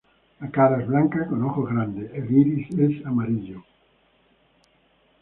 La cara es blanca con ojos grandes; el iris es amarillo.